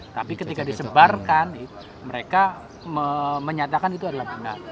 tapi ketika disebarkan mereka menyatakan itu adalah benar